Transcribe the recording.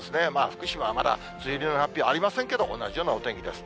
福島はまだ、梅雨入りの発表ありませんけど、同じようなお天気です。